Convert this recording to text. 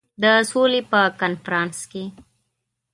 د سولي په کنفرانس کې.